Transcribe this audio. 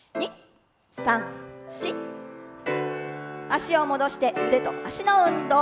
脚を戻して、腕と脚の運動。